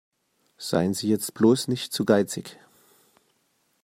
Seien Sie jetzt bloß nicht zu geizig.